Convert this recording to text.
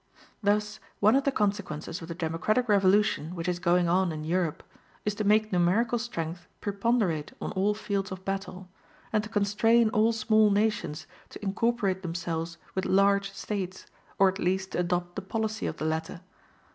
Thus one of the consequences of the democratic revolution which is going on in Europe is to make numerical strength preponderate on all fields of battle, and to constrain all small nations to incorporate themselves with large States, or at least to adopt the policy of the latter.